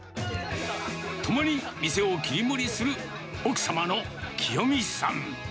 共に店を切り盛りする奥様のきよみさん。